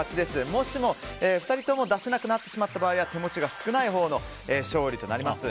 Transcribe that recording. もしも２人とも出せなくなってしまった場合は手持ちが少ないほうの勝利となります。